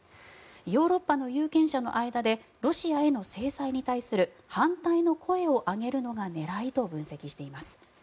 ヨーロッパの有権者の間でロシアへの制裁に対する反対の声を上げるのが狙いと分析しています。